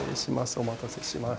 お待たせしました。